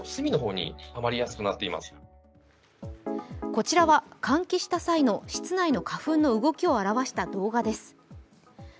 こちらは換気した際の室内の花粉の動きを表した動画です。